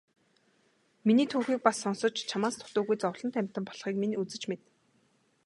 Миний түүхийг бас сонсож чамаас дутуугүй зовлонт амьтан болохыг минь үзэж мэд.